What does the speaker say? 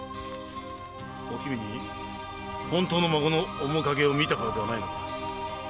おきみに本当の孫の面影を見たからではないのか？